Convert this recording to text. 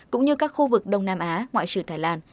cũng như các khu vực đông nam á ngoại trừ thái lan